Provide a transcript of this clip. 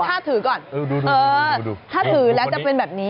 ถ้าถือก่อนถ้าถือแล้วจะเป็นแบบนี้